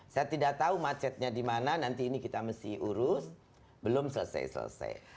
saya tidak tahu macetnya di mana nanti ini kita mesti urus belum selesai selesai